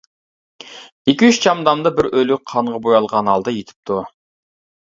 ئىككى-ئۈچ چامدامدا بىر ئۆلۈك قانغا بويالغان ھالدا يېتىپتۇ.